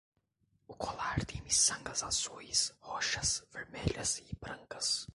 O colar tem miçangas azuis, roxas, vermelhas e brancas.